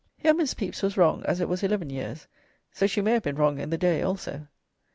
Here Mrs. Pepys was wrong, as it was eleven years; so she may have been wrong in the day also.